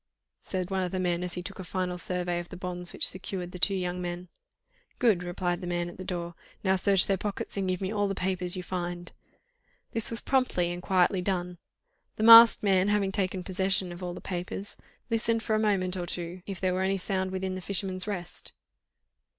said one of the men, as he took a final survey of the bonds which secured the two young men. "Good!" replied the man at the door; "now search their pockets and give me all the papers you find." This was promptly and quietly done. The masked man having taken possession of all the papers, listened for a moment or two if there were any sound within "The Fisherman's Rest."